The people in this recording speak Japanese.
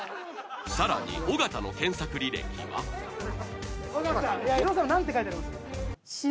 さらに尾形の検索履歴は何て書いてあります？